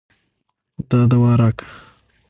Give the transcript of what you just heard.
دا دوا راکه.